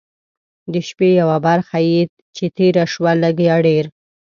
د شپې یوه برخه چې تېره شوه لږ یا ډېر.